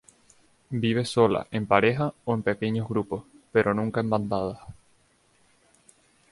Vive sola, en pareja, o en pequeños grupos, pero nunca en bandadas.